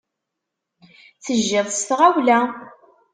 Tejjiḍ s tɣawla.